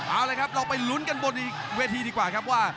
เอาละครับเราไปลุ้นกันบนเวทีดีกว่าครับว่า